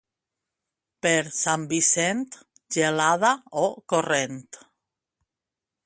Per Sant Vicent, gelada o corrent.